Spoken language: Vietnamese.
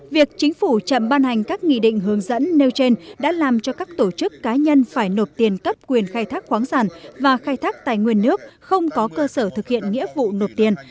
việc chính phủ chậm ban hành các nghị định hướng dẫn nêu trên đã làm cho các tổ chức cá nhân phải nộp tiền cấp quyền khai thác khoáng sản và khai thác tài nguyên nước không có cơ sở thực hiện nghĩa vụ nộp tiền